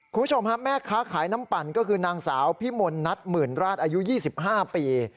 คุณผู้ชมฮะแม่ค้าขายน้ำปั่นก็คือนางสาวพิมลนัทหมื่นราชอายุ๒๕ปี